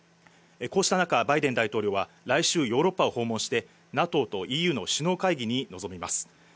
こうした中、バイデン大統領は来週ヨーロッパを訪問してＮＡＴＯとＥＵの首脳会議に臨みます。